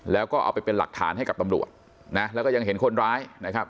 แล้วก็เอาไปเป็นหลักฐานให้กับตำรวจนะแล้วก็ยังเห็นคนร้ายนะครับ